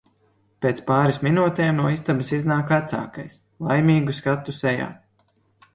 Pēc pāris minūtēm no istabas iznāk vecākais – laimīgu skatu sejā.